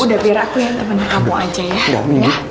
udah biar aku yang temennya kamu aja ya